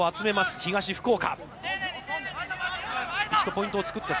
東福岡。